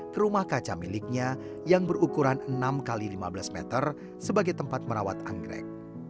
ke rumah kaca miliknya yang berukuran enam x lima belas meter sebagai tempat merawat anggrek